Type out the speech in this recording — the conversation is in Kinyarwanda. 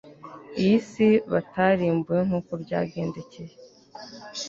iyi si batararimbuwe nkuko byagendekeye